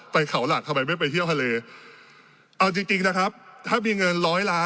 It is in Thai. ไปเขาหลักทำไมไม่ไปเที่ยวทะเลเอาจริงจริงนะครับถ้ามีเงินร้อยล้าน